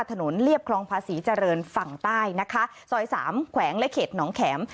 เรียบคลองภาษีเจริญฝั่งใต้นะคะซอยสามแขวงและเขตหนองแข็ม